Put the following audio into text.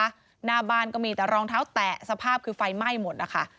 หน้าบ้านก็มีแต่รองเท้าแตะสภาพคือไฟไหม้หมดนะคะ